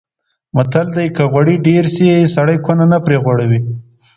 متل دی: که غوړي ډېر شي سړی کونه نه پرې غوړوي.